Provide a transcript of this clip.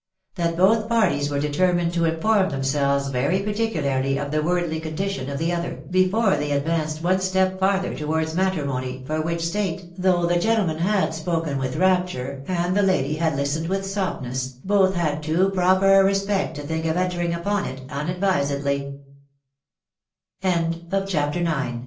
• that both parties were de termined to inform themselves very particularly of tnw wokLbIx condition of the other, before they advanced one stop farther towards matrimony, for which state though the gentleman had spoken with rapture, and the lady had listened with both bad too proper a> respett te ftfofc tf tutoring upon it advisedly* THB WIDOW BABVA